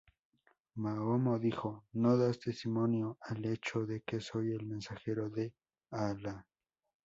Mahoma dijo: "No das testimonio al hecho de que soy el Mensajero de Alá?